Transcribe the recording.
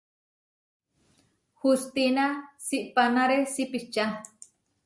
Hustína siʼpanáre sipičá.